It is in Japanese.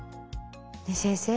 ねぇ先生